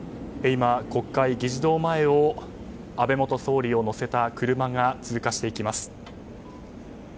今、国会議事堂前を安倍元総理を乗せた車が通過していきます。